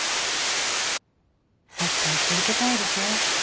サッカー続けたいでしょ？